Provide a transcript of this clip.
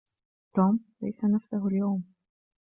توم ليس نَفسَهُ اليوم.